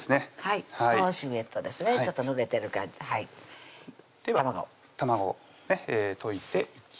少しウエットですねちょっとぬれてる感じでは卵溶いていきます